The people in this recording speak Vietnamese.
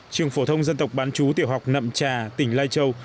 trường phổ thông dân tộc bán chú tiểu học nậm trà tỉnh lai châu